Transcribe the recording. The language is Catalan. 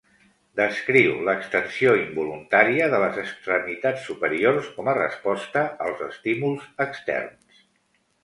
Descriu l'extensió involuntària de les extremitats superiors com a resposta als estímuls externs.